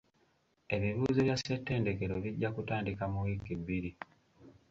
Ebibuuzo bya ssettendekero bijja kutandika mu wiiki bbiri.